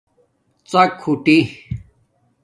ڎک ہوٹی